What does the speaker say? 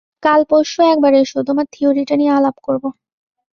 কাল-পরশু একবার এসো, তোমার থিওরিটা নিয়ে আলাপ করব।